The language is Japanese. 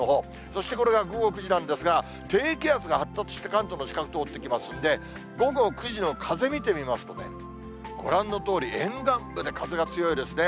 そしてこれが午後９時なんですが、低気圧が発達して、関東の近く通っていきますんで、午後９時の風見てみますと、ご覧のとおり、沿岸部で風が強いですね。